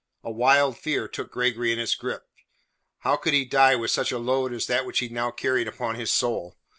A wild fear took Gregory in its grip. How could he die with such a load as that which he now carried upon his soul?